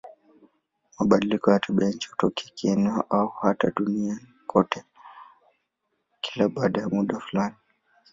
Mabadiliko ya tabianchi hutokea kieneo au hata duniani kote kila baada ya muda fulani.